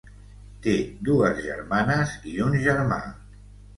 Té dues germanes i un germà.